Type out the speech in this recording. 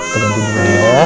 kita ganti dulu ya